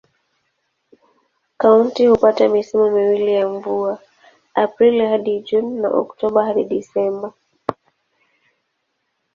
Kaunti hupata misimu miwili ya mvua: Aprili hadi Juni na Oktoba hadi Disemba.